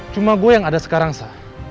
cuma gue yang ada sekarang sah